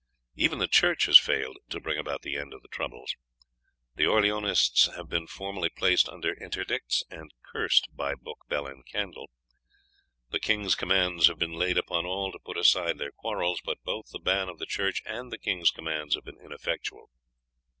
Even the Church has failed to bring about the end of the troubles. The Orleanists have been formally placed under interdicts, and cursed by book, bell, and candle. The king's commands have been laid upon all to put aside their quarrels, but both the ban of the Church and the king's commands have been ineffectual.